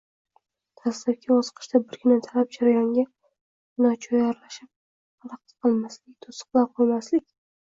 Dastlabki bosqichda birgina talab – jarayonga nojo‘ya aralashib xalaqit qilmaslik, to‘siqlar qo‘ymaslik.